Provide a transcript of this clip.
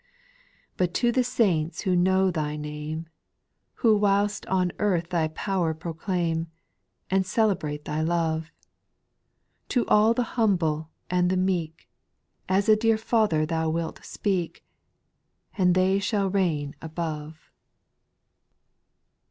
4. But to the saints who know Thy name, Who whilst on earth Thy power proclaim, And celebrate Thy love, To all the humble and the meek. As a dear Father Thou wilt speak, And they shall reign above.